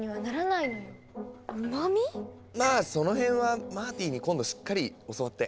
まあその辺はマーティに今度しっかり教わって。